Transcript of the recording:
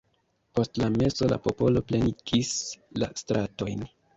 Post la meso la popolo plenigis la stratojn.